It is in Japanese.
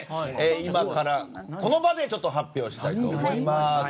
今から、この場で発表したいと思います。